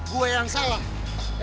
gua yang salah